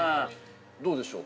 ◆どうでしょう。